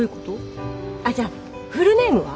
あじゃあフルネームは？